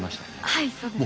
はいそうです。